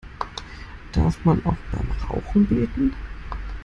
Darf man auch beim Rauchen beten?